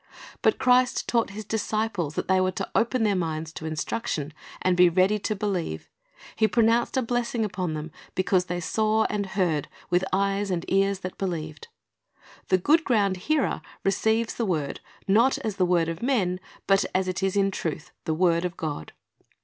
But Christ taught His disciples that they were to open their minds to instruction, and be ready to believe. He pronounced a blessing upon them because they saw and heard with eyes and ears that believed. The Pfood ^round hearer receives the word, "not as the word of men, but as it is in truth, the word of God."